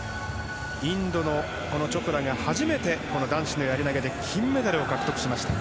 インドのチョプラが初めて男子のやり投げで金メダルを獲得しました。